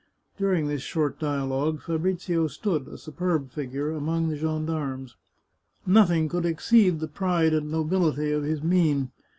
During this short dialogue, Fabrizio stood, a superb figure, amid the gendarmes. Nothing could exceed the 278 The Chartreuse of Parma pride and nobility of his mien.